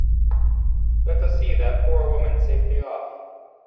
Let us see that poor woman safely off.